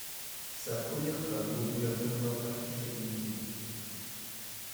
Sa première femme mourut après avoir accouché d'une fille.